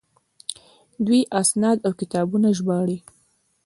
دوی اسناد او کتابونه ژباړي.